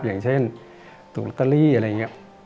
อย่างเช่นตุลกรีอะไรอย่างนี้